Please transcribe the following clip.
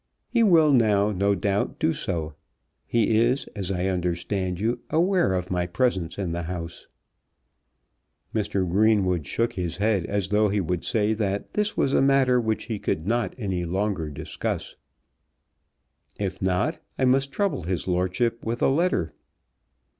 He will now, no doubt, do so. He is, as I understand you, aware of my presence in the house." Mr. Greenwood shook his head, as though he would say that this was a matter he could not any longer discuss. "If not, I must trouble his lordship with a letter."